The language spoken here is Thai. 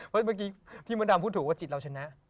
เพราะเมื่อกี้พี่มดามพูดถูกว่าจิตเราชนะ